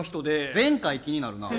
前回気になるなぁ。